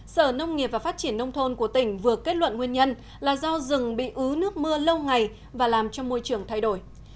sở nông nghiệp và phát triển nông thôn của tỉnh vừa kết luận nguyên nhân là do rừng bị ứ nước mưa lâu ngày và làm cho môi trường thay đổi